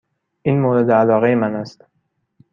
این مورد علاقه من است.